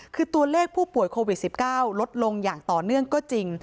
คือตัวเลขผู้ป่วยโควิด๑๙ลดลงอย่างต่อเนื่องก็จริง